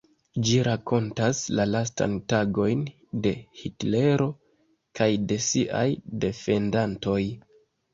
Ĝi rakontas la lastajn tagojn de Hitlero kaj de siaj defendantoj.